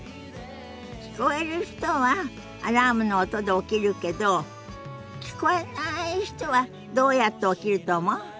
聞こえる人はアラームの音で起きるけど聞こえない人はどうやって起きると思う？